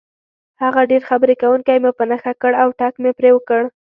هغه ډېر خبرې کوونکی مې په نښه کړ او ټک مې پرې وکړ.